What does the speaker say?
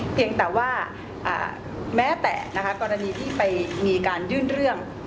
เพียงแต่ว่าแม้แต่กรณีที่ไปมีการยื่นเรื่อง